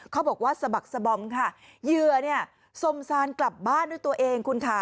เขาบอกว่าสะบักสบอมค่ะเหยื่อเนี่ยสมซานกลับบ้านด้วยตัวเองคุณค่ะ